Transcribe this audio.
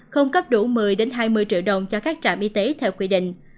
không cấp đủ một mươi hai mươi triệu đồng cho các trạm y tế theo quy định